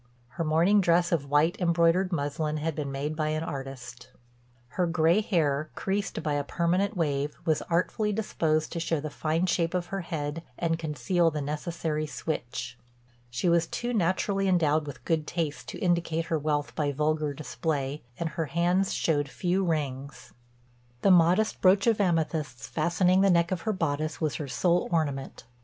Her morning dress of white embroidered muslin had been made by an artist. Her gray hair, creased by a "permanent wave," was artfully disposed to show the fine shape of her head and conceal the necessary switch. She was too naturally endowed with good taste to indicate her wealth by vulgar display, and her hands showed few rings; the modest brooch of amethysts fastening the neck of her bodice was her sole ornament.